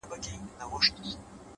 اوس په لمانځه کي دعا نه کوم ښېرا کومه;